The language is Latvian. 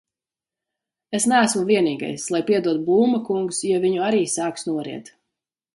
Es neesmu vienīgais, lai piedod Blūma kungs, ja viņu arī sāks noriet.